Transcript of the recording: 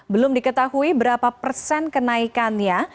belum diketahui berapa persen kenaikannya